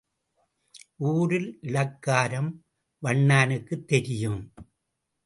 ஊரில் இளக்காரம் வண்ணானுக்குத் தெரியும்.